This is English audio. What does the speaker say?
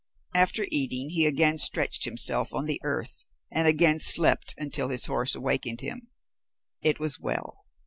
After eating, he again stretched himself on the earth and again slept until his horse awakened him. It was well.